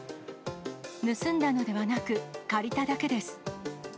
盗んだのではなく、借りただけです。